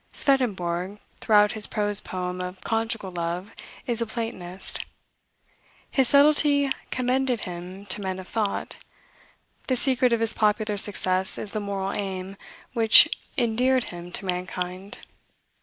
Swedenborg, throughout his prose poem of "Conjugal Love," is a Platonist. His subtlety commended him to men of thought. The secret of his popular success is the moral aim, which endeared him to mankind.